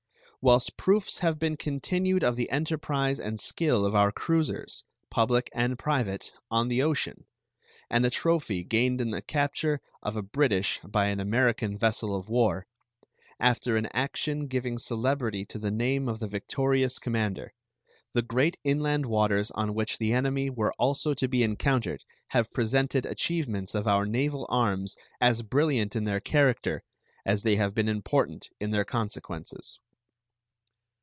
Whilst proofs have been continued of the enterprise and skill of our cruisers, public and private, on the ocean, and a trophy gained in the capture of a British by an American vessel of war, after an action giving celebrity to the name of the victorious commander, the great inland waters on which the enemy were also to be encountered have presented achievements of our naval arms as brilliant in their character as they have been important in their consequences.